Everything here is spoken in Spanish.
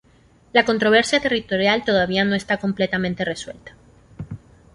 La controversia territorial todavía no está completamente resuelta.